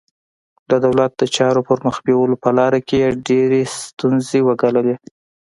د دولت د چارو پر مخ بیولو په لاره کې یې ډېرې ستونزې وګاللې.